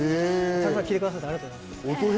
聴いてくださってありがとうございます。